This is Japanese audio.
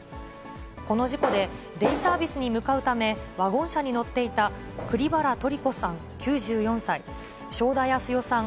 この事故で、デイサービスに向かうため、ワゴン車に乗っていた栗原トリ子さん９４歳、正田靖代さん